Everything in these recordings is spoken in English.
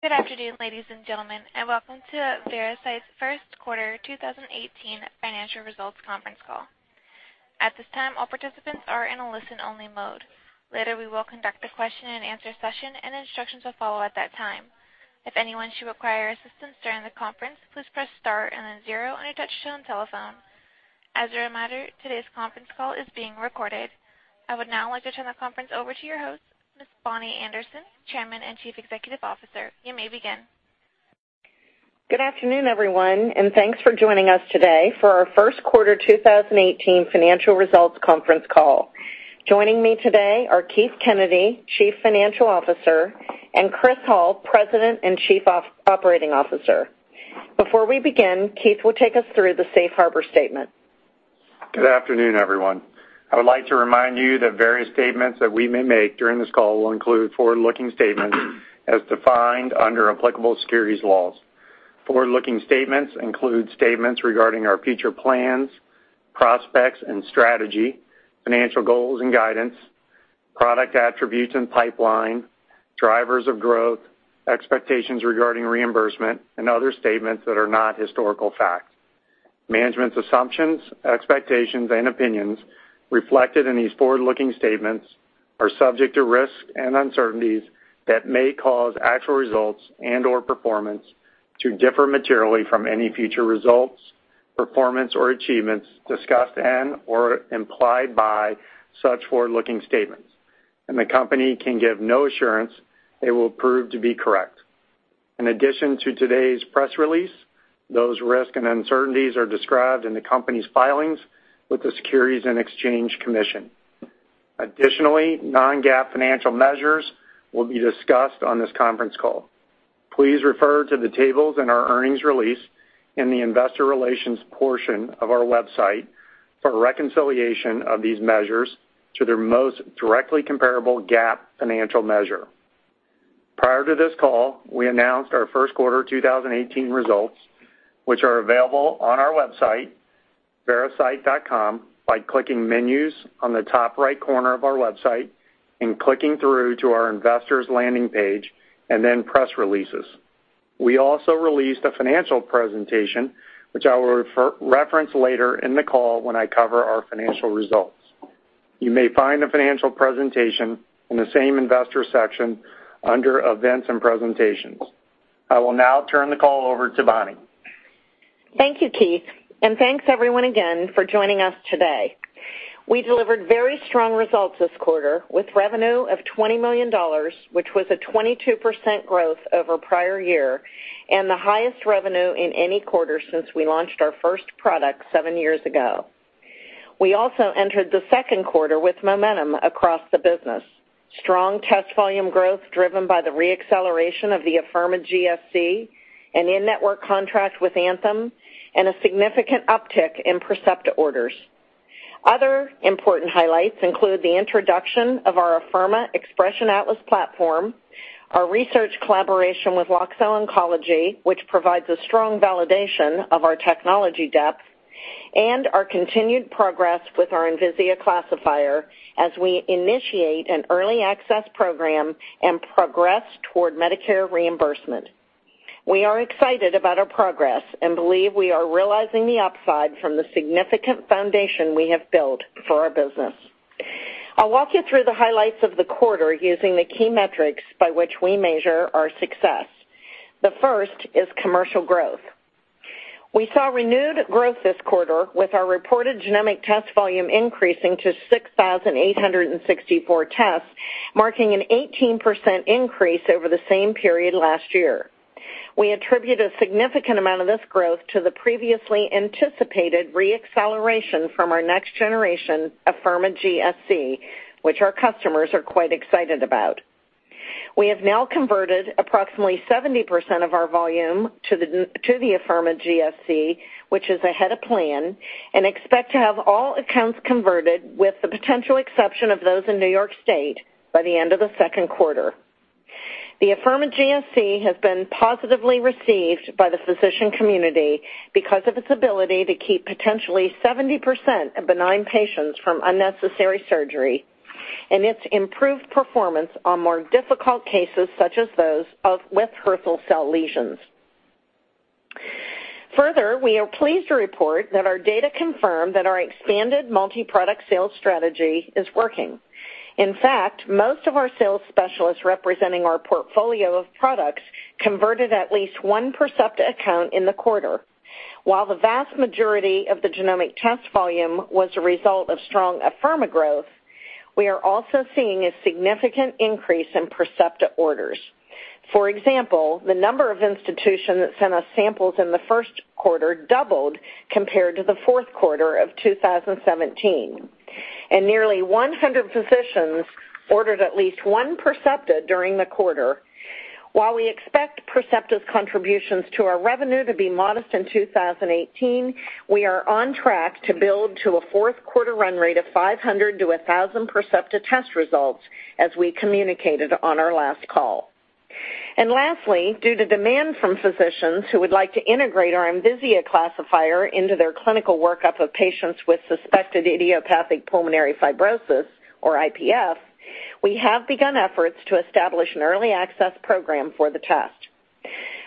Good afternoon, ladies and gentlemen, and welcome to Veracyte's first quarter 2018 financial results conference call. At this time, all participants are in a listen-only mode. Later, we will conduct a question and answer session and instructions will follow at that time. If anyone should require assistance during the conference, please press star and then zero on your touch-tone telephone. As a reminder, today's conference call is being recorded. I would now like to turn the conference over to your host, Ms. Bonnie Anderson, Chairman and Chief Executive Officer. You may begin. Good afternoon, everyone, and thanks for joining us today for our first quarter 2018 financial results conference call. Joining me today are Keith Kennedy, Chief Financial Officer, and Chris Hall, President and Chief Operating Officer. Before we begin, Keith will take us through the safe harbor statement. Good afternoon, everyone. I would like to remind you that various statements that we may make during this call will include forward-looking statements as defined under applicable securities laws. Forward-looking statements include statements regarding our future plans, prospects and strategy, financial goals and guidance, product attributes and pipeline, drivers of growth, expectations regarding reimbursement, and other statements that are not historical facts. Management's assumptions, expectations, and opinions reflected in these forward-looking statements are subject to risks and uncertainties that may cause actual results and/or performance to differ materially from any future results, performance, or achievements discussed and/or implied by such forward-looking statements, and the company can give no assurance they will prove to be correct. In addition to today's press release, those risks and uncertainties are described in the company's filings with the Securities and Exchange Commission. Additionally, non-GAAP financial measures will be discussed on this conference call. Please refer to the tables in our earnings release in the investor relations portion of our website for a reconciliation of these measures to their most directly comparable GAAP financial measure. Prior to this call, we announced our first quarter 2018 results, which are available on our website, veracyte.com, by clicking Menus on the top right corner of our website and clicking through to our Investors landing page and then Press Releases. We also released a financial presentation, which I will reference later in the call when I cover our financial results. You may find the financial presentation in the same investor section under Events and Presentations. I will now turn the call over to Bonnie. Thank you, Keith, and thanks everyone again for joining us today. We delivered very strong results this quarter with revenue of $20 million, which was a 22% growth over prior year and the highest revenue in any quarter since we launched our first product seven years ago. We also entered the second quarter with momentum across the business. Strong test volume growth driven by the re-acceleration of the Afirma GSC, an in-network contract with Anthem, and a significant uptick in Percepta orders. Other important highlights include the introduction of our Afirma Xpression Atlas platform, our research collaboration with Loxo Oncology, which provides a strong validation of our technology depth, and our continued progress with our Envisia classifier as we initiate an early access program and progress toward Medicare reimbursement. We are excited about our progress and believe we are realizing the upside from the significant foundation we have built for our business. I'll walk you through the highlights of the quarter using the key metrics by which we measure our success. The first is commercial growth. We saw renewed growth this quarter with our reported genomic test volume increasing to 6,864 tests, marking an 18% increase over the same period last year. We attribute a significant amount of this growth to the previously anticipated re-acceleration from our next-generation Afirma GSC, which our customers are quite excited about. We have now converted approximately 70% of our volume to the Afirma GSC, which is ahead of plan, and expect to have all accounts converted, with the potential exception of those in New York State, by the end of the second quarter. The Afirma GSC has been positively received by the physician community because of its ability to keep potentially 70% of benign patients from unnecessary surgery and its improved performance on more difficult cases such as those with Hürthle cell lesions. Further, we are pleased to report that our data confirm that our expanded multi-product sales strategy is working. In fact, most of our sales specialists representing our portfolio of products converted at least one Percepta account in the quarter. While the vast majority of the genomic test volume was a result of strong Afirma growth, we are also seeing a significant increase in Percepta orders. For example, the number of institutions that sent us samples in the first quarter doubled compared to the fourth quarter of 2017, and nearly 100 physicians ordered at least one Percepta during the quarter. While we expect Percepta's contributions to our revenue to be modest in 2018, we are on track to build to a fourth-quarter run rate of 500 to 1,000 Percepta test results as we communicated on our last call. Lastly, due to demand from physicians who would like to integrate our Envisia classifier into their clinical workup of patients with suspected idiopathic pulmonary fibrosis or IPF, we have begun efforts to establish an early access program for the test.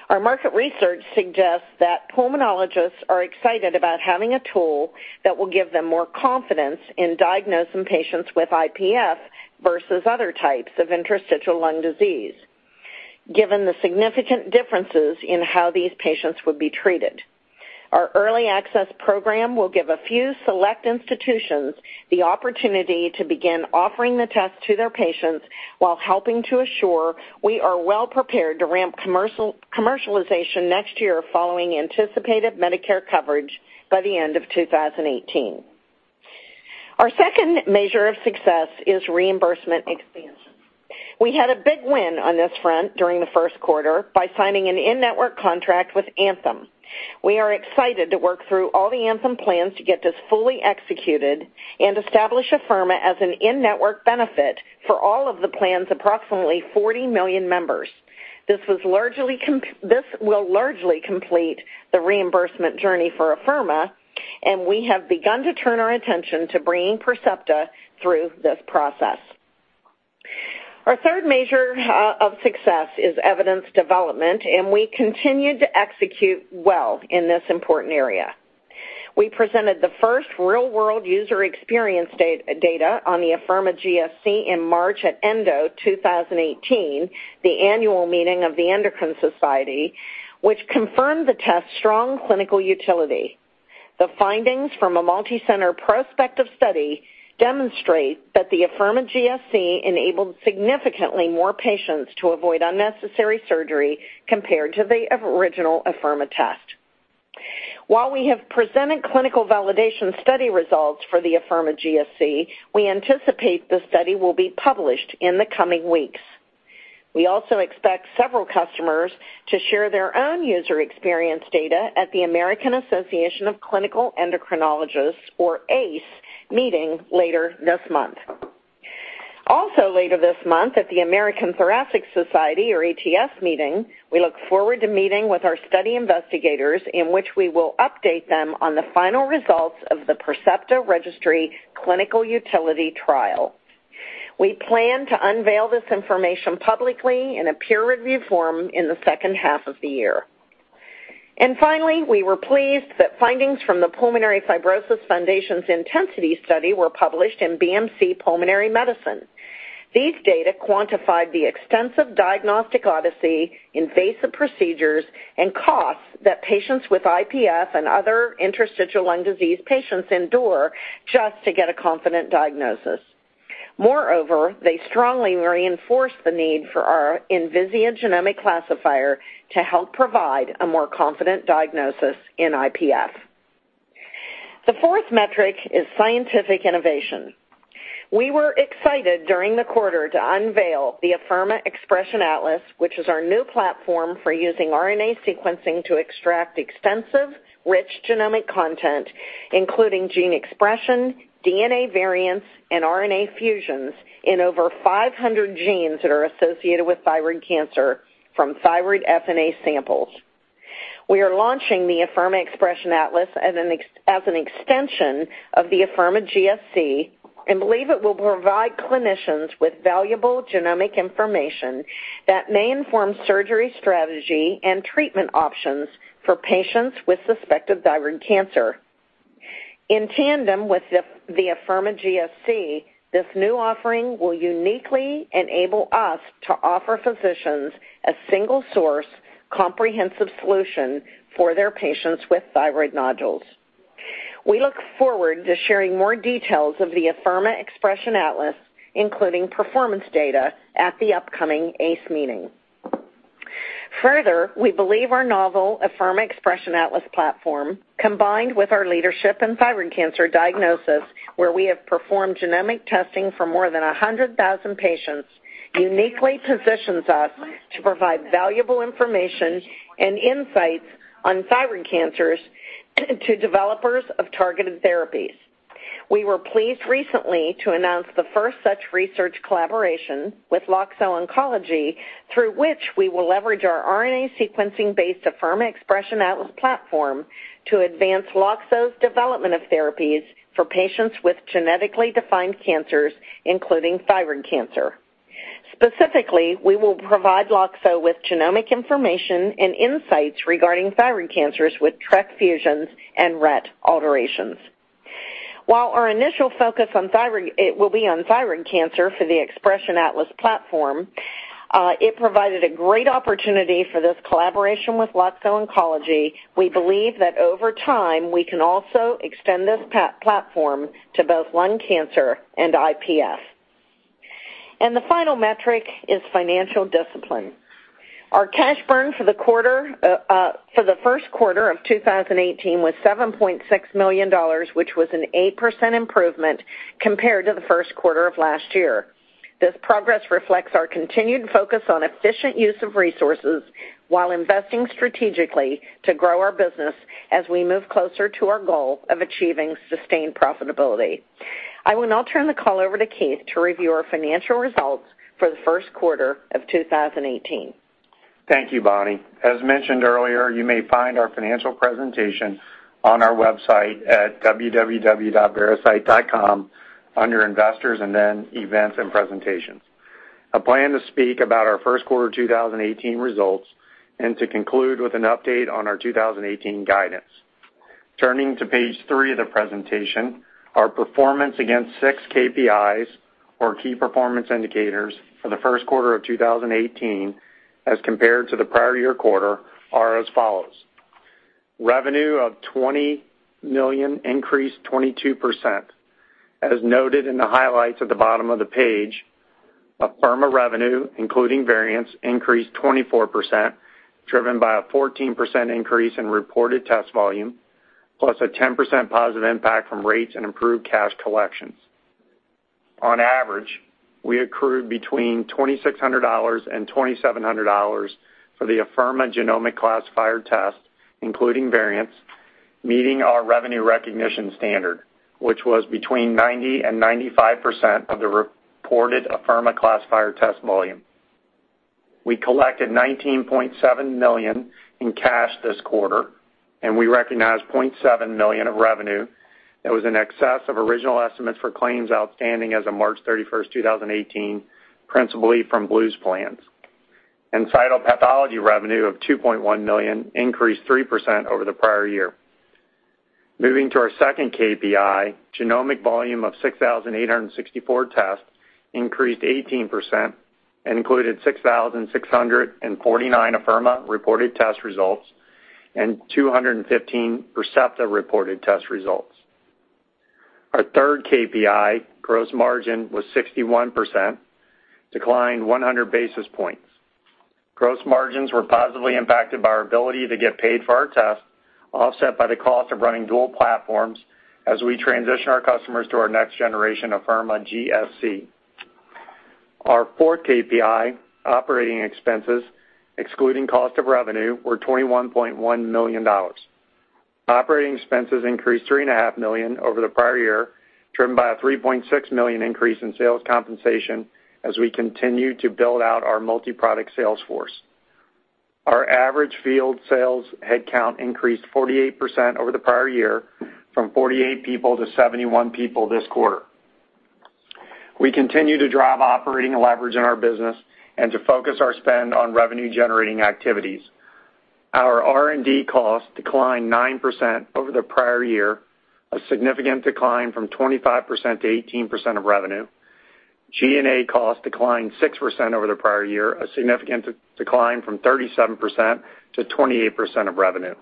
Our market research suggests that pulmonologists are excited about having a tool that will give them more confidence in diagnosing patients with IPF versus other types of interstitial lung disease, given the significant differences in how these patients would be treated. Our early access program will give a few select institutions the opportunity to begin offering the test to their patients while helping to assure we are well prepared to ramp commercialization next year following anticipated Medicare coverage by the end of 2018. Our second measure of success is reimbursement expansion. We had a big win on this front during the first quarter by signing an in-network contract with Anthem. We are excited to work through all the Anthem plans to get this fully executed and establish Afirma as an in-network benefit for all of the plan's approximately 40 million members. This will largely complete the reimbursement journey for Afirma. We have begun to turn our attention to bringing Percepta through this process. Our third measure of success is evidence development. We continued to execute well in this important area. We presented the first real-world user experience data on the Afirma GSC in March at ENDO 2018, the annual meeting of the Endocrine Society, which confirmed the test's strong clinical utility. The findings from a multi-center prospective study demonstrate that the Afirma GSC enabled significantly more patients to avoid unnecessary surgery compared to the original Afirma test. While we have presented clinical validation study results for the Afirma GSC, we anticipate the study will be published in the coming weeks. We also expect several customers to share their own user experience data at the American Association of Clinical Endocrinologists, or ACE, meeting later this month. Also later this month, at the American Thoracic Society, or ATS, meeting, we look forward to meeting with our study investigators in which we will update them on the final results of the Percepta registry clinical utility trial. We plan to unveil this information publicly in a peer-review forum in the second half of the year. Finally, we were pleased that findings from the Pulmonary Fibrosis Foundation's Intensity study were published in "BMC Pulmonary Medicine." These data quantified the extensive diagnostic odyssey, invasive procedures, and costs that patients with IPF and other interstitial lung disease patients endure just to get a confident diagnosis. Moreover, they strongly reinforce the need for our Envisia Genomic Classifier to help provide a more confident diagnosis in IPF. The fourth metric is scientific innovation. We were excited during the quarter to unveil the Afirma Xpression Atlas, which is our new platform for using RNA sequencing to extract extensive, rich genomic content, including gene expression, DNA variants, and RNA fusions in over 500 genes that are associated with thyroid cancer from thyroid FNA samples. We are launching the Afirma Xpression Atlas as an extension of the Afirma GSC and believe it will provide clinicians with valuable genomic information that may inform surgery strategy and treatment options for patients with suspected thyroid cancer. In tandem with the Afirma GSC, this new offering will uniquely enable us to offer physicians a single-source, comprehensive solution for their patients with thyroid nodules. We look forward to sharing more details of the Afirma Xpression Atlas, including performance data, at the upcoming ACE meeting. We believe our novel Afirma Xpression Atlas platform, combined with our leadership in thyroid cancer diagnosis, where we have performed genomic testing for more than 100,000 patients, uniquely positions us to provide valuable information and insights on thyroid cancers to developers of targeted therapies. We were pleased recently to announce the first such research collaboration with Loxo Oncology, through which we will leverage our RNA sequencing-based Afirma Xpression Atlas platform to advance Loxo's development of therapies for patients with genetically defined cancers, including thyroid cancer. Specifically, we will provide Loxo with genomic information and insights regarding thyroid cancers with TRK fusions and RET alterations. While our initial focus will be on thyroid cancer for the Xpression Atlas platform, it provided a great opportunity for this collaboration with Loxo Oncology. We believe that over time, we can also extend this platform to both lung cancer and IPF. The final metric is financial discipline. Our cash burn for the first quarter of 2018 was $7.6 million, which was an 8% improvement compared to the first quarter of last year. This progress reflects our continued focus on efficient use of resources while investing strategically to grow our business as we move closer to our goal of achieving sustained profitability. I will now turn the call over to Keith to review our financial results for the first quarter of 2018. Thank you, Bonnie. As mentioned earlier, you may find our financial presentation on our website at www.veracyte.com. Under Investors, and then Events and Presentations. I plan to speak about our first quarter 2018 results and to conclude with an update on our 2018 guidance. Turning to page three of the presentation, our performance against 6 KPIs, or key performance indicators, for the first quarter of 2018 as compared to the prior year quarter, are as follows. Revenue of $20 million increased 22%. As noted in the highlights at the bottom of the page, Afirma revenue, including variance, increased 24%, driven by a 14% increase in reported test volume, plus a 10% positive impact from rates and improved cash collections. On average, we accrued between $2,600 and $2,700 for the Afirma genomic classifier test, including variance, meeting our revenue recognition standard, which was between 90% and 95% of the reported Afirma classifier test volume. We collected $19.7 million in cash this quarter, and we recognized $0.7 million of revenue that was in excess of original estimates for claims outstanding as of March 31st, 2018, principally from Blues plans. Cytopathology revenue of $2.1 million increased 3% over the prior year. Moving to our second KPI, genomic volume of 6,864 tests increased 18% and included 6,649 Afirma reported test results and 215 Percepta reported test results. Our third KPI, gross margin was 61%, declined 100 basis points. Gross margins were positively impacted by our ability to get paid for our test, offset by the cost of running dual platforms as we transition our customers to our next generation, Afirma GSC. Our fourth KPI, operating expenses, excluding cost of revenue, were $21.1 million. Operating expenses increased $3.5 million over the prior year, driven by a $3.6 million increase in sales compensation as we continue to build out our multiproduct sales force. Our average field sales headcount increased 48% over the prior year from 48 people to 71 people this quarter. We continue to drive operating leverage in our business and to focus our spend on revenue-generating activities. Our R&D costs declined 9% over the prior year, a significant decline from 25%-18% of revenue. G&A costs declined 6% over the prior year, a significant decline from 37%-28% of revenue.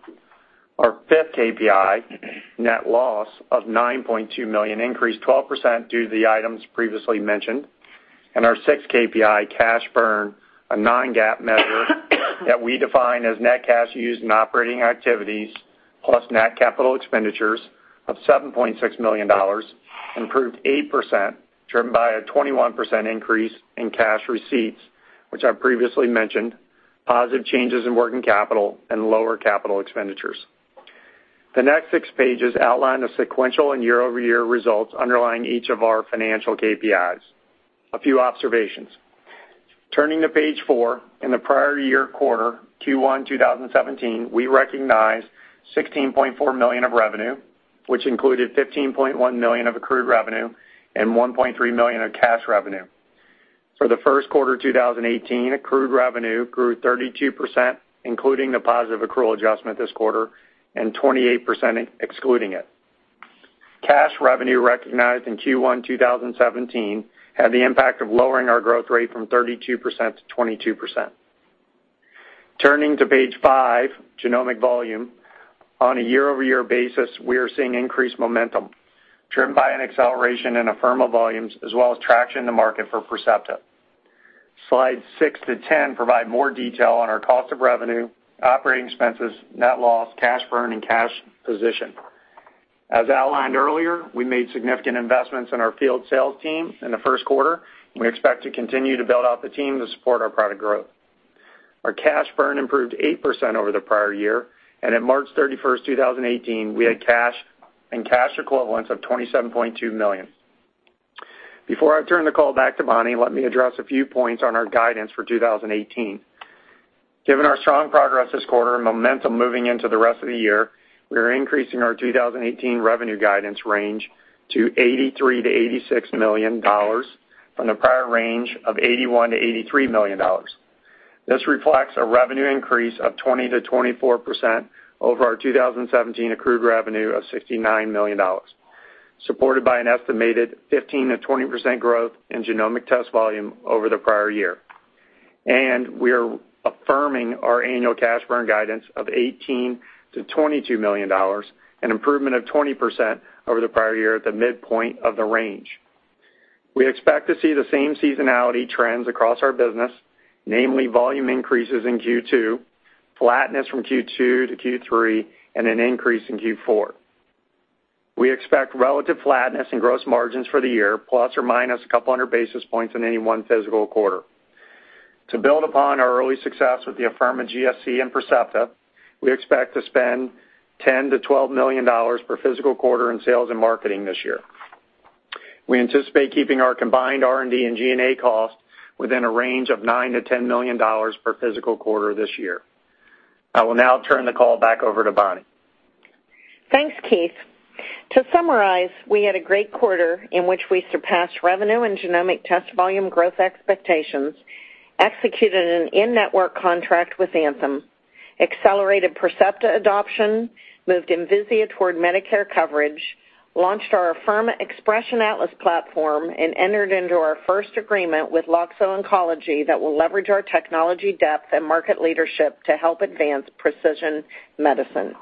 Our fifth KPI, net loss of $9.2 million, increased 12% due to the items previously mentioned. Our sixth KPI, cash burn, a non-GAAP measure that we define as net cash used in operating activities, plus net capital expenditures of $7.6 million, improved 8%, driven by a 21% increase in cash receipts, which I previously mentioned, positive changes in working capital, and lower capital expenditures. The next six pages outline the sequential and year-over-year results underlying each of our financial KPIs. A few observations. Turning to page four, in the prior year quarter, Q1 2017, we recognized $16.4 million of revenue, which included $15.1 million of accrued revenue and $1.3 million of cash revenue. For the first quarter 2018, accrued revenue grew 32%, including the positive accrual adjustment this quarter, and 28% excluding it. Cash revenue recognized in Q1 2017 had the impact of lowering our growth rate from 32%-22%. Turning to page five, genomic volume. On a year-over-year basis, we are seeing increased momentum, driven by an acceleration in Afirma volumes, as well as traction in the market for Percepta. Slides six to 10 provide more detail on our cost of revenue, operating expenses, net loss, cash burn, and cash position. As outlined earlier, we made significant investments in our field sales team in the first quarter. We expect to continue to build out the team to support our product growth. Our cash burn improved 8% over the prior year, and at March 31st, 2018, we had cash and cash equivalents of $27.2 million. Before I turn the call back to Bonnie, let me address a few points on our guidance for 2018. Given our strong progress this quarter and momentum moving into the rest of the year, we are increasing our 2018 revenue guidance range to $83 million-$86 million, from the prior range of $81 million-$83 million. This reflects a revenue increase of 20%-24% over our 2017 accrued revenue of $69 million, supported by an estimated 15%-20% growth in genomic test volume over the prior year. We are affirming our annual cash burn guidance of $18 million-$22 million, an improvement of 20% over the prior year at the midpoint of the range. We expect to see the same seasonality trends across our business, namely volume increases in Q2, flatness from Q2 to Q3, and an increase in Q4. We expect relative flatness in gross margins for the year, ± a couple hundred basis points in any one physical quarter. To build upon our early success with the Afirma GSC and Percepta, we expect to spend $10 million to $12 million per physical quarter in sales and marketing this year. We anticipate keeping our combined R&D and G&A costs within a range of $9 million to $10 million per physical quarter this year. I will now turn the call back over to Bonnie. Thanks, Keith. To summarize, we had a great quarter in which we surpassed revenue and genomic test volume growth expectations, executed an in-network contract with Anthem, accelerated Percepta adoption, moved Envisia toward Medicare coverage, launched our Afirma Xpression Atlas platform, and entered into our first agreement with Loxo Oncology that will leverage our technology depth and market leadership to help advance precision medicine.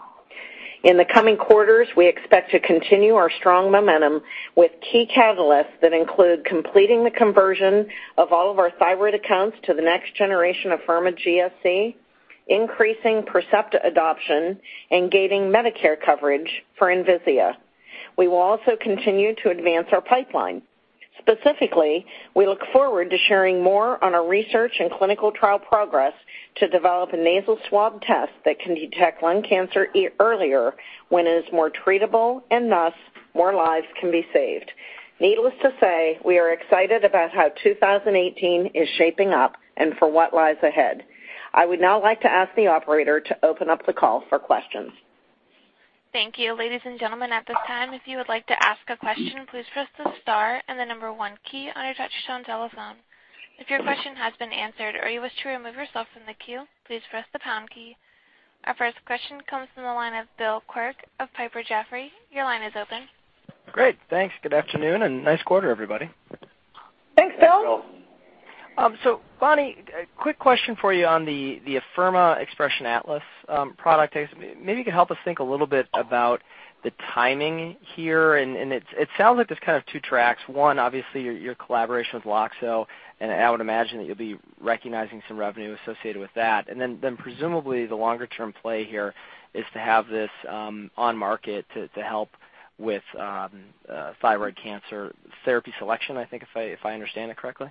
In the coming quarters, we expect to continue our strong momentum with key catalysts that include completing the conversion of all of our thyroid accounts to the next generation Afirma GSC, increasing Percepta adoption, and gaining Medicare coverage for Envisia. We will also continue to advance our pipeline. Specifically, we look forward to sharing more on our research and clinical trial progress to develop a nasal swab test that can detect lung cancer earlier when it is more treatable, thus, more lives can be saved. Needless to say, we are excited about how 2018 is shaping up and for what lies ahead. I would now like to ask the operator to open up the call for questions. Thank you. Ladies and gentlemen, at this time, if you would like to ask a question, please press the star and the number one key on your touchtone telephone. If your question has been answered, or you wish to remove yourself from the queue, please press the pound key. Our first question comes from the line of Bill Quirk of Piper Jaffray. Your line is open. Great. Thanks. Good afternoon and nice quarter, everybody. Thanks, Bill. Bonnie, quick question for you on the Afirma Xpression Atlas product. Maybe you could help us think a little bit about the timing here, it sounds like there's kind of two tracks. One, obviously your collaboration with Loxo, I would imagine that you'll be recognizing some revenue associated with that. Presumably the longer-term play here is to have this on market to help with thyroid cancer therapy selection, I think, if I understand it correctly.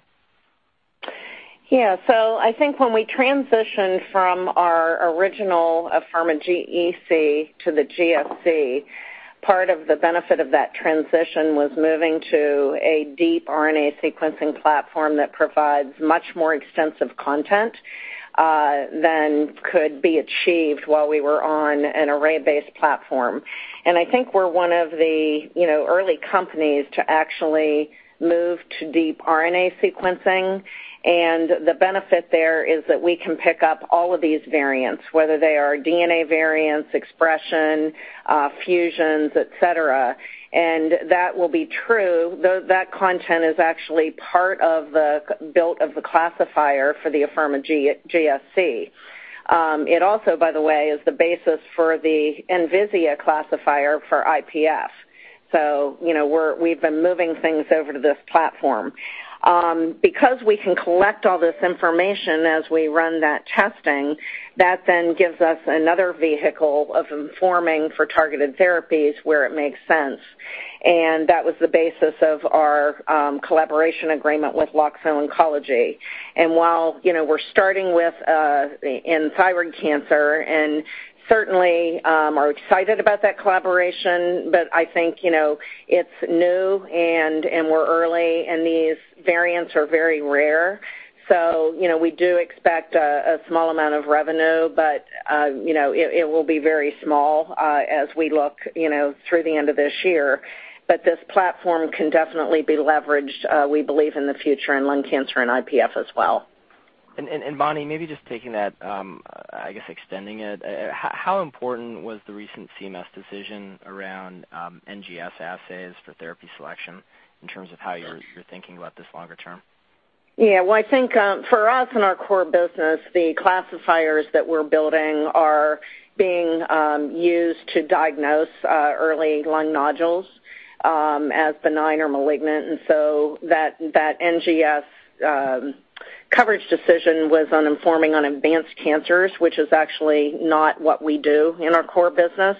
Yeah. I think when we transitioned from our original Afirma GEC to the GSC, part of the benefit of that transition was moving to a deep RNA sequencing platform that provides much more extensive content than could be achieved while we were on an array-based platform. I think we're one of the early companies to actually move to deep RNA sequencing, the benefit there is that we can pick up all of these variants, whether they are DNA variants, expression, fusions, et cetera. That will be true. That content is actually part of the built of the classifier for the Afirma GSC. It also, by the way, is the basis for the Envisia classifier for IPF. We've been moving things over to this platform. We can collect all this information as we run that testing, that then gives us another vehicle of informing for targeted therapies where it makes sense. That was the basis of our collaboration agreement with Loxo Oncology. While we're starting with in thyroid cancer and certainly, are excited about that collaboration, I think, it's new and we're early, these variants are very rare. We do expect a small amount of revenue, but it will be very small as we look through the end of this year. This platform can definitely be leveraged, we believe, in the future in lung cancer and IPF as well. Bonnie, maybe just taking that, I guess, extending it, how important was the recent CMS decision around NGS assays for therapy selection in terms of how you're thinking about this longer term? I think, for us in our core business, the classifiers that we're building are being used to diagnose early lung nodules, as benign or malignant. That NGS coverage decision was on informing on advanced cancers, which is actually not what we do in our core business.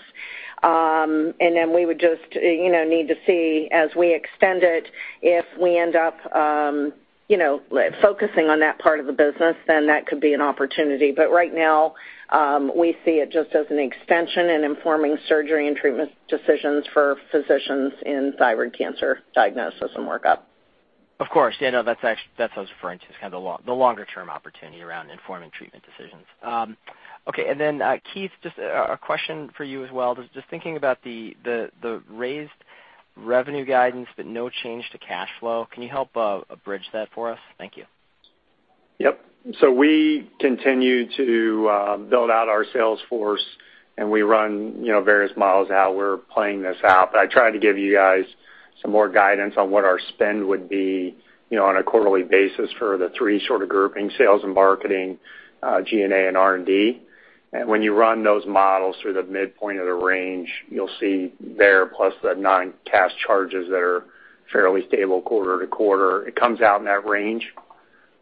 We would just need to see as we extend it, if we end up focusing on that part of the business, then that could be an opportunity. Right now, we see it just as an extension in informing surgery and treatment decisions for physicians in thyroid cancer diagnosis and workup. That's what I was referring to, is kind of the longer-term opportunity around informing treatment decisions. Keith, just a question for you as well. Just thinking about the raised revenue guidance, no change to cash flow. Can you help bridge that for us? Thank you. Yep. We continue to build out our sales force, and we run various models how we're playing this out. I tried to give you guys some more guidance on what our spend would be on a quarterly basis for the three sort of grouping, sales and marketing, G&A, and R&D. When you run those models through the midpoint of the range, you'll see there, plus the non-cash charges that are fairly stable quarter-to-quarter, it comes out in that range.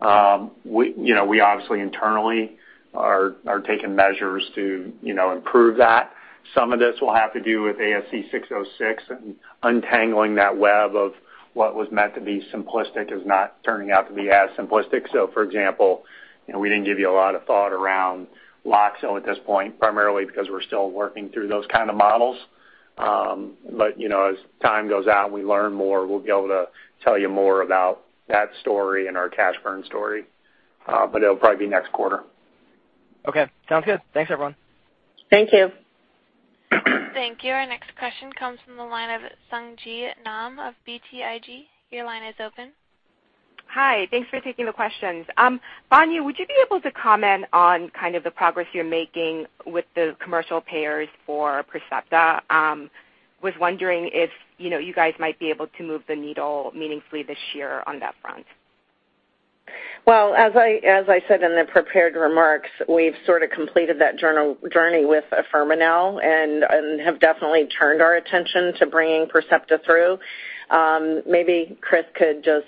We obviously internally are taking measures to improve that. Some of this will have to do with ASC 606 and untangling that web of what was meant to be simplistic is not turning out to be as simplistic. For example, we didn't give you a lot of thought around Loxo at this point, primarily because we're still working through those kind of models. As time goes out and we learn more, we'll be able to tell you more about that story and our cash burn story. It'll probably be next quarter. Okay. Sounds good. Thanks, everyone. Thank you. Thank you. Our next question comes from the line of Sung Ji Nam of BTIG. Your line is open. Hi. Thanks for taking the questions. Bonnie, would you be able to comment on the progress you're making with the commercial payers for Percepta? Was wondering if you guys might be able to move the needle meaningfully this year on that front. Well, as I said in the prepared remarks, we've sort of completed that journey with Afirma now and have definitely turned our attention to bringing Percepta through. Maybe Chris could just,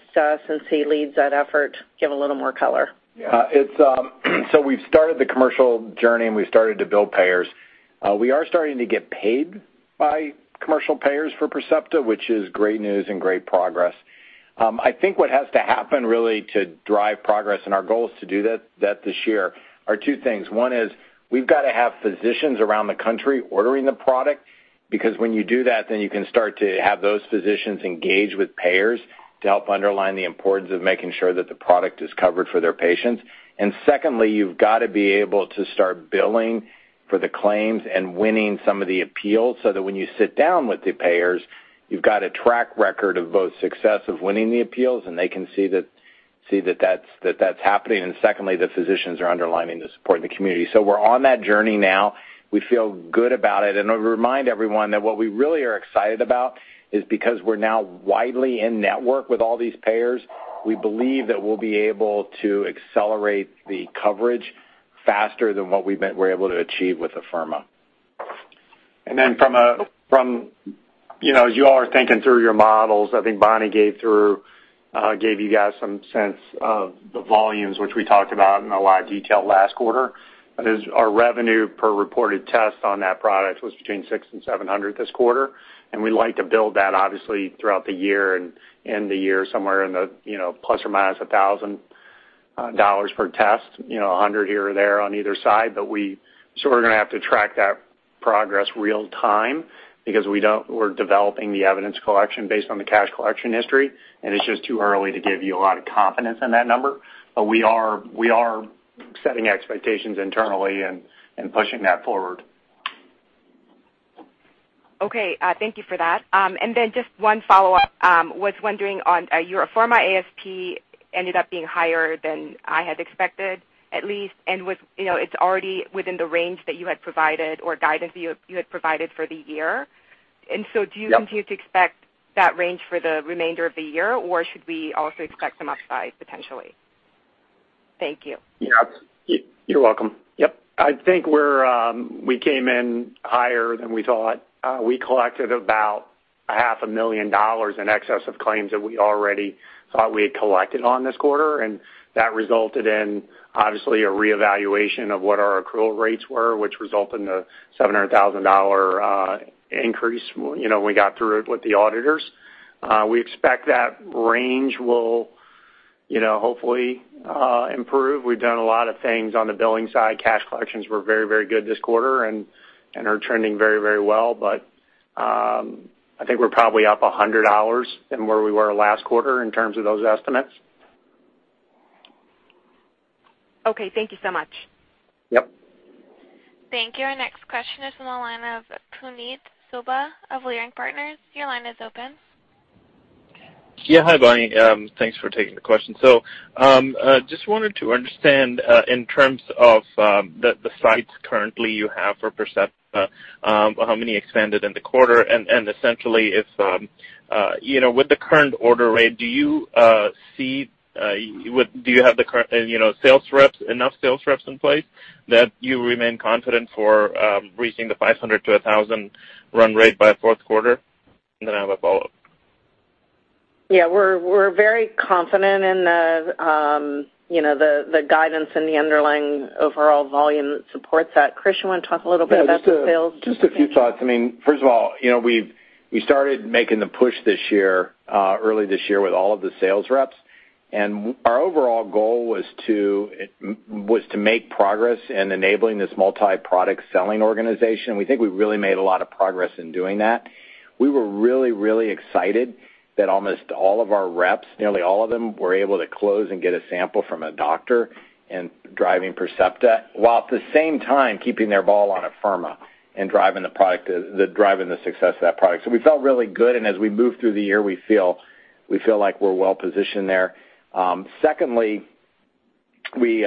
since he leads that effort, give a little more color. Yeah. We've started the commercial journey, and we've started to build payers. We are starting to get paid by commercial payers for Percepta, which is great news and great progress. I think what has to happen, really, to drive progress, and our goal is to do that this year, are two things. One is we've got to have physicians around the country ordering the product, because when you do that, then you can start to have those physicians engage with payers to help underline the importance of making sure that the product is covered for their patients. Secondly, you've got to be able to start billing for the claims and winning some of the appeals, so that when you sit down with the payers, you've got a track record of both success of winning the appeals, and they can see that that's happening, and secondly, the physicians are underlining the support in the community. We're on that journey now. We feel good about it. I would remind everyone that what we really are excited about is because we're now widely in network with all these payers, we believe that we'll be able to accelerate the coverage faster than what we were able to achieve with Afirma. Then as you all are thinking through your models, I think Bonnie gave you guys some sense of the volumes, which we talked about in a lot of detail last quarter. Our revenue per reported test on that product was between $600 and $700 this quarter, and we'd like to build that obviously throughout the year and end the year somewhere in the ±$1,000 per test, $100 here or there on either side. We're going to have to track that progress real time because we're developing the evidence collection based on the cash collection history, and it's just too early to give you a lot of confidence in that number. We are setting expectations internally and pushing that forward. Okay. Thank you for that. Then just one follow-up. Was wondering on your Afirma ASP ended up being higher than I had expected, at least, and it's already within the range that you had provided or guidance you had provided for the year. Yep. Do you continue to expect that range for the remainder of the year, or should we also expect some upside potentially? Thank you. Yep. You're welcome. Yep. I think we came in higher than we thought. We collected about a half a million dollars in excess of claims that we already thought we had collected on this quarter, and that resulted in, obviously, a reevaluation of what our accrual rates were, which result in the $700,000 increase. We got through it with the auditors. We expect that range will hopefully improve. We've done a lot of things on the billing side. Cash collections were very good this quarter and are trending very well. I think we're probably up $100 than where we were last quarter in terms of those estimates. Okay, thank you so much. Yep. Thank you. Our next question is from the line of Puneet Souda of Leerink Partners. Your line is open. Yeah. Hi, Bonnie. Thanks for taking the question. Just wanted to understand, in terms of the sites currently you have for Percepta, how many expanded in the quarter, and essentially if with the current order rate, do you have enough sales reps in place that you remain confident for reaching the 500-1,000 run rate by fourth quarter? I have a follow-up. Yeah, we're very confident in the guidance and the underlying overall volume that supports that. Chris, you want to talk a little bit about the sales? Yeah, just a few thoughts. First of all, we started making the push early this year with all of the sales reps. Our overall goal was to make progress in enabling this multi-product selling organization. We think we really made a lot of progress in doing that. We were really excited that almost all of our reps, nearly all of them, were able to close and get a sample from a doctor and driving Percepta, while at the same time keeping their ball on Afirma and driving the success of that product. We felt really good, and as we move through the year, we feel like we're well-positioned there. Secondly, we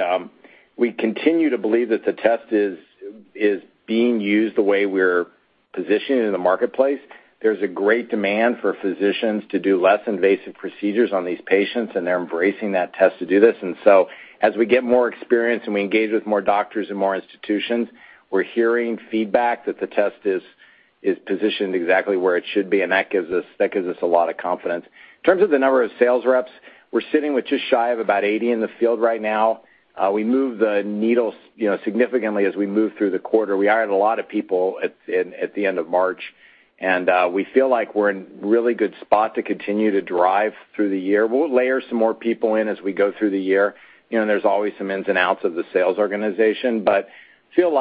continue to believe that the test is being used the way we're positioned in the marketplace. There's a great demand for physicians to do less invasive procedures on these patients, and they're embracing that test to do this. As we get more experience and we engage with more doctors and more institutions, we're hearing feedback that the test is positioned exactly where it should be, and that gives us a lot of confidence. In terms of the number of sales reps, we're sitting with just shy of about 80 in the field right now. We moved the needle significantly as we moved through the quarter. We hired a lot of people at the end of March, and we feel like we're in a really good spot to continue to drive through the year. We'll layer some more people in as we go through the year. There's always some ins and outs of the sales organization. We feel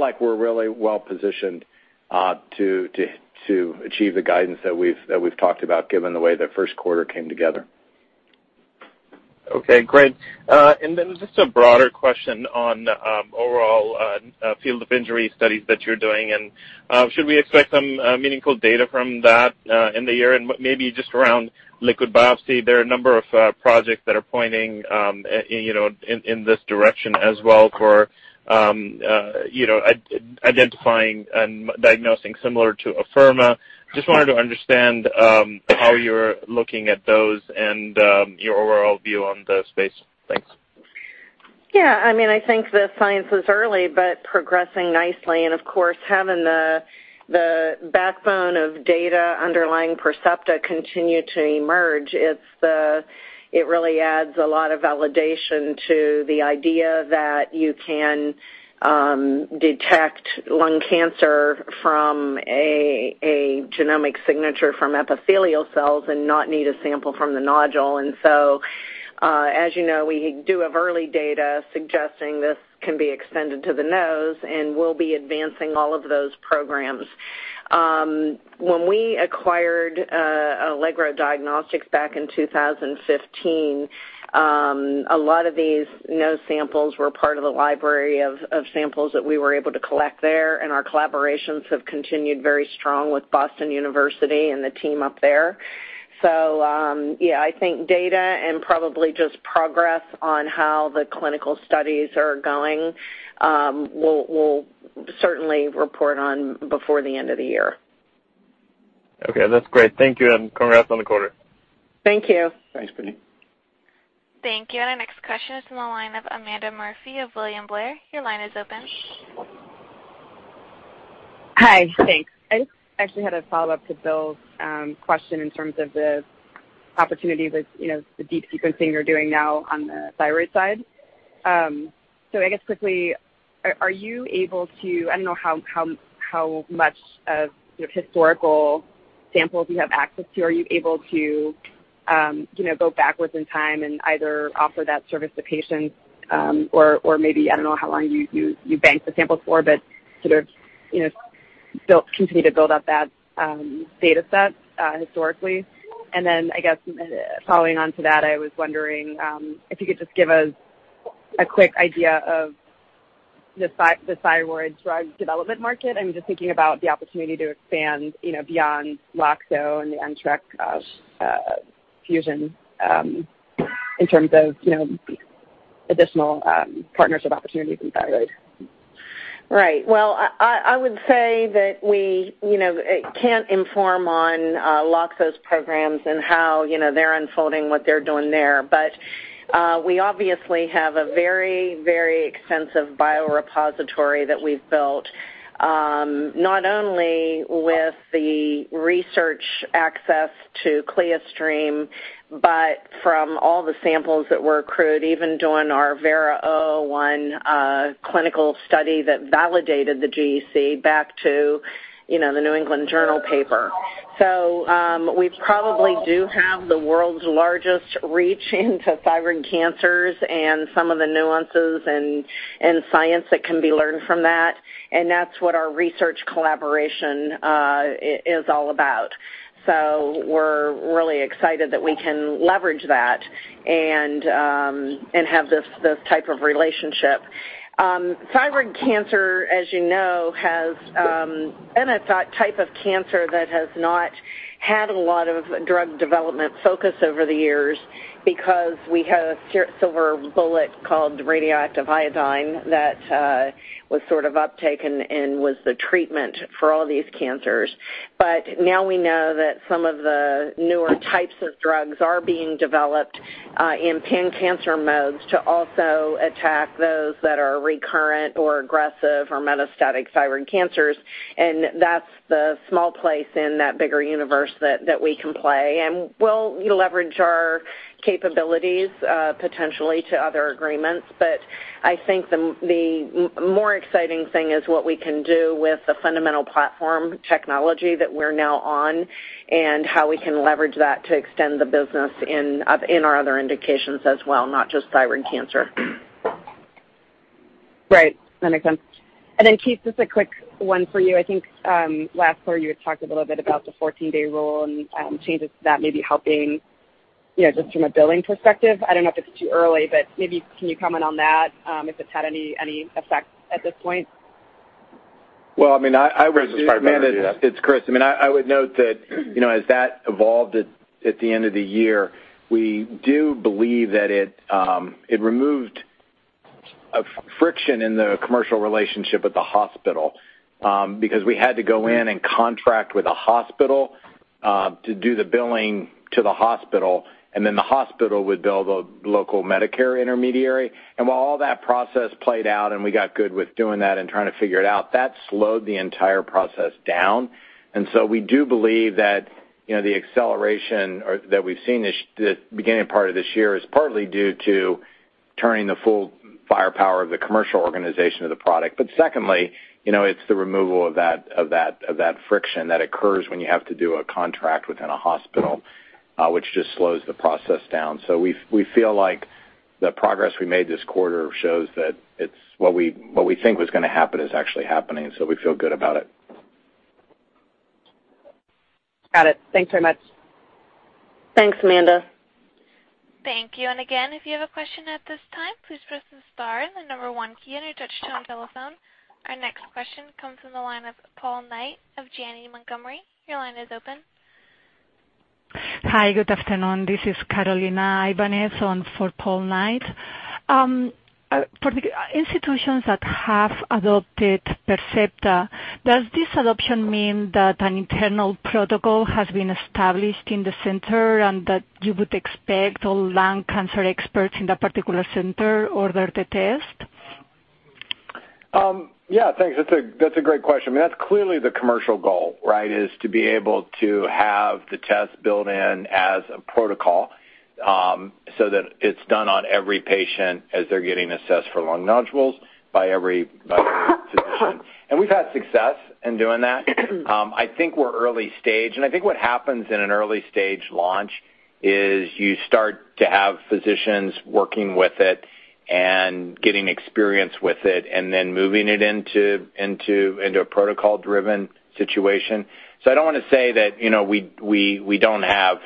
like we're really well-positioned to achieve the guidance that we've talked about given the way the first quarter came together. Okay, great. Just a broader question on overall field of injury studies that you're doing, and should we expect some meaningful data from that in the year? Maybe just around liquid biopsy, there are a number of projects that are pointing in this direction as well for identifying and diagnosing similar to Afirma. Just wanted to understand how you're looking at those and your overall view on the space. Thanks. Yeah, I think the science is early, but progressing nicely. Of course, having the backbone of data underlying Percepta continue to emerge, it really adds a lot of validation to the idea that you can detect lung cancer from a genomic signature from epithelial cells and not need a sample from the nodule. As you know, we do have early data suggesting this can be extended to the nose, and we'll be advancing all of those programs. When we acquired Allegro Diagnostics back in 2015, a lot of these nose samples were part of a library of samples that we were able to collect there, and our collaborations have continued very strong with Boston University and the team up there. Yeah, I think data and probably just progress on how the clinical studies are going, we'll certainly report on before the end of the year. Okay. That's great. Thank you, and congrats on the quarter. Thank you. Thanks, Puneet. Thank you. Our next question is from the line of Amanda Murphy of William Blair. Your line is open. Hi. Thanks. I just actually had a follow-up to Bill's question in terms of the opportunity with the deep sequencing you're doing now on the thyroid side. I guess quickly, are you able to, I don't know how much of historical samples you have access to. Are you able to go backwards in time and either offer that service to patients or maybe, I don't know how long you banked the samples for, but sort of continue to build up that data set historically? And then, I guess, following on to that, I was wondering if you could just give us a quick idea of the thyroid drug development market. I'm just thinking about the opportunity to expand beyond Loxo and the NTRK fusion in terms of additional partnership opportunities in thyroid. Right. Well, I would say that we can't inform on Loxo's programs and how they're unfolding what they're doing there. But we obviously have a very, very extensive biorepository that we've built, not only with the research access to CLIAStream, but from all the samples that were accrued even during our VERA01 clinical study that validated the GEC back to the New England Journal paper. We probably do have the world's largest reach into thyroid cancers and some of the nuances and science that can be learned from that, and that's what our research collaboration is all about. We're really excited that we can leverage that and have this type of relationship. Thyroid cancer, as you know, has been a type of cancer that has not had a lot of drug development focus over the years because we had a silver bullet called radioactive iodine that was sort of uptaken and was the treatment for all these cancers. Now we know that some of the newer types of drugs are being developed in pan-cancer modes to also attack those that are recurrent or aggressive or metastatic thyroid cancers. That's the small place in that bigger universe that we can play. We'll leverage our capabilities potentially to other agreements. I think the more exciting thing is what we can do with the fundamental platform technology that we're now on and how we can leverage that to extend the business in our other indications as well, not just thyroid cancer. Right. That makes sense. Then, Keith, just a quick one for you. I think last quarter you had talked a little bit about the 14-day rule and changes that may be helping just from a billing perspective. I don't know if it's too early, but maybe can you comment on that if it's had any effect at this point? Well, Amanda, it's Chris. I would note that as that evolved at the end of the year, we do believe that it removed a friction in the commercial relationship with the hospital because we had to go in and contract with a hospital to do the billing to the hospital, then the hospital would bill the local Medicare intermediary. While all that process played out and we got good with doing that and trying to figure it out, that slowed the entire process down. We do believe that the acceleration that we've seen this beginning part of this year is partly due to turning the full firepower of the commercial organization of the product. Secondly, it's the removal of that friction that occurs when you have to do a contract within a hospital, which just slows the process down. We feel like the progress we made this quarter shows that what we think was going to happen is actually happening, so we feel good about it. Got it. Thanks very much. Thanks, Amanda. Thank you. Again, if you have a question at this time, please press the star and the number one key on your touch-tone telephone. Our next question comes from the line of Paul Knight of Janney Montgomery. Your line is open. Hi, good afternoon. This is Carolina Ibanez on for Paul Knight. For the institutions that have adopted Percepta, does this adoption mean that an internal protocol has been established in the center and that you would expect all lung cancer experts in that particular center order the test? Yeah, thanks. That's a great question. That's clearly the commercial goal, is to be able to have the test built in as a protocol, so that it's done on every patient as they're getting assessed for lung nodules by every physician. We've had success in doing that. I think we're early stage, and I think what happens in an early-stage launch is you start to have physicians working with it and getting experience with it and then moving it into a protocol-driven situation. I don't want to say that we don't have.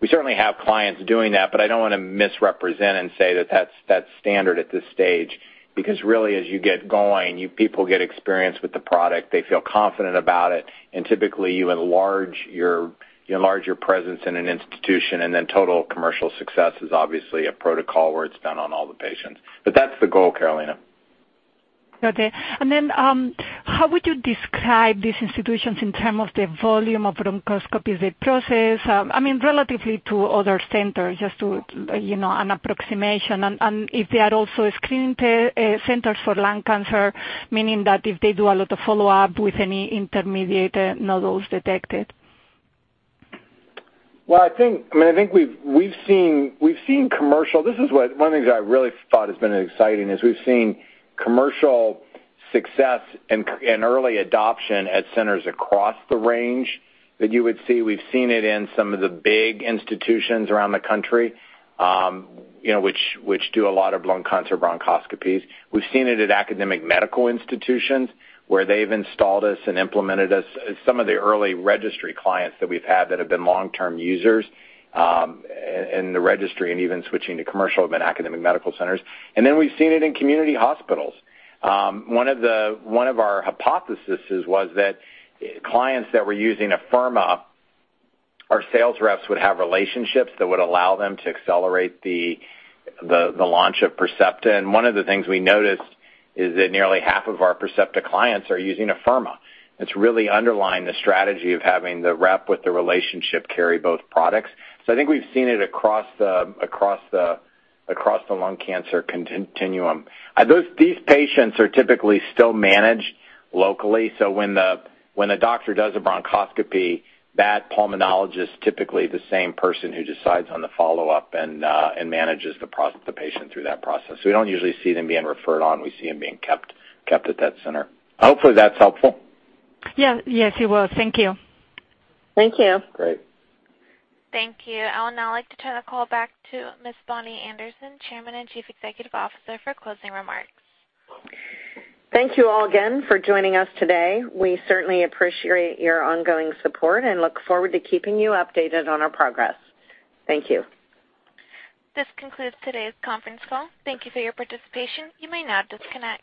We certainly have clients doing that, but I don't want to misrepresent and say that that's standard at this stage, because really, as you get going, people get experience with the product. They feel confident about it. Typically you enlarge your presence in an institution. Total commercial success is obviously a protocol where it's done on all the patients. That's the goal, Carolina. Okay. How would you describe these institutions in terms of the volume of bronchoscopies they process? Relatively to other centers, just an approximation. If they are also screening centers for lung cancer, meaning that if they do a lot of follow-up with any indeterminate nodules detected. Well, I think this is one of the things I really thought has been exciting, is we've seen commercial success and early adoption at centers across the range that you would see. We've seen it in some of the big institutions around the country, which do a lot of lung cancer bronchoscopies. We've seen it at academic medical institutions where they've installed us and implemented us. Some of the early registry clients that we've had that have been long-term users in the registry and even switching to commercial have been academic medical centers. We've seen it in community hospitals. One of our hypotheses was that clients that were using Afirma, our sales reps would have relationships that would allow them to accelerate the launch of Percepta. One of the things we noticed is that nearly half of our Percepta clients are using Afirma. It's really underlined the strategy of having the rep with the relationship carry both products. I think we've seen it across the lung cancer continuum. These patients are typically still managed locally, when a doctor does a bronchoscopy, that pulmonologist is typically the same person who decides on the follow-up and manages the patient through that process. We don't usually see them being referred on. We see them being kept at that center. Hopefully, that's helpful. Yes, it was. Thank you. Thank you. Great. Thank you. I would now like to turn the call back to Ms. Bonnie Anderson, Chairman and Chief Executive Officer, for closing remarks. Thank you all again for joining us today. We certainly appreciate your ongoing support and look forward to keeping you updated on our progress. Thank you. This concludes today's conference call. Thank you for your participation. You may now disconnect.